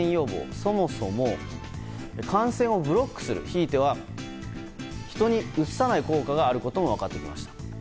そもそも感染をブロックするひいては人にうつさない効果があることも分かってきました。